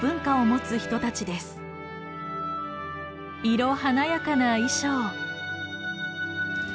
色華やかな衣装。